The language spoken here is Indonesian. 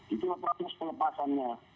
itu proses pelepasannya